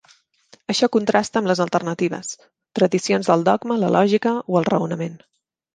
Això contrasta amb les alternatives: tradicions del dogma, la lògica o el raonament.